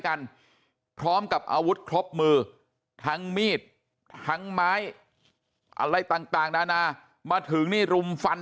กันพร้อมกับอาวุธครบมือทั้งมีดทั้งไม้อะไรต่างนานามาถึงนี่รุมฟัน